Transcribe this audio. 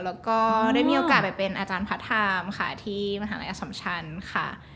แล้วก็ได้มีโอกาสไปเป็นอาจารย์พระไทม์ค่ะที่มหาลัยอสัมชันค่ะ